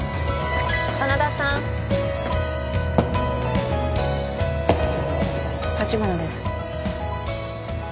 真田さん橘です